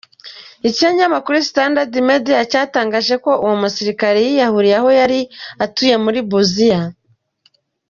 Ikinyamakuru Standard Media cyatangaje ko uwo musirikare yiyahuriye aho yari atuye muri Busia.